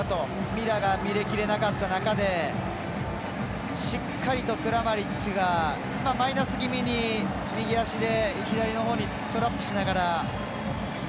ミラーが見れきれなかった中でしっかりとクラマリッチがマイナス気味に右足で、左のほうにトラップしながら。